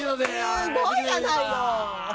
すごいやないの！